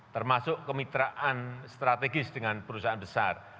termasuk kemitraan strategis dengan perusahaan besar